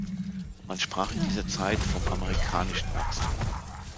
Man sprach in dieser Zeit vom amerikanischen Wachstum.